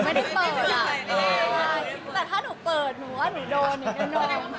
ไม่ได้เปิดอ่ะแต่ถ้าหนูเปิดหนูว่าหนูโดนหนูแน่